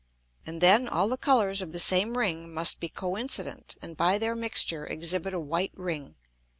And then all the Colours of the same Ring must be co incident, and by their mixture exhibit a white Ring.